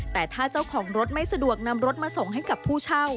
แต่ถ้าเจ้าของรถไม่สะดวกนำรถมาส่งให้กับผู้เช่า